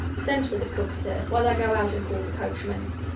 Send for the cook, sir; while I go out and call the coachman.